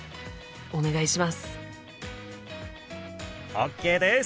ＯＫです！